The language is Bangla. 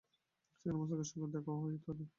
সেখানে মুশতাকের সঙ্গে দেখাও হয় তাঁদের।